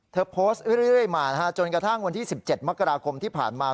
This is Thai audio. เธอโพสต์เรื่อยมาจนกระทั่งวันที่๑๗มกราคมที่ผ่านมา